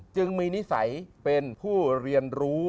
จึงมีนิสัยเป็นผู้เรียนรู้